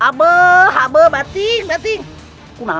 kalau mau berbicara silakan